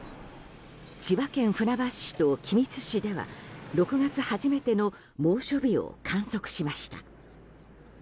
千葉県船橋市と君津市では６月初めての猛暑日を観測しました。